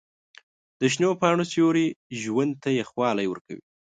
د شنو پاڼو سیوري ژوند ته یخوالی ورکوي.